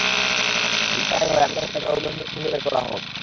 যদি তাই হয়, আমি চাই তাকে অবিলম্বে খুঁজে বের করা হোক।